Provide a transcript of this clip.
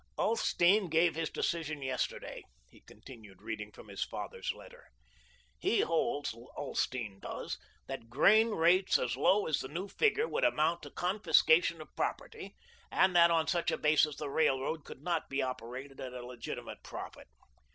"Ulsteen gave his decision yesterday," he continued, reading from his father's letter. "He holds, Ulsteen does, that 'grain rates as low as the new figure would amount to confiscation of property, and that, on such a basis, the railroad could not be operated at a legitimate profit.